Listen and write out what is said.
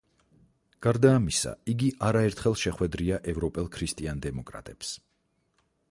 გარდა ამისა იგი არაერთხელ შეხვედრია ევროპელ ქრისტიან დემოკრატებს.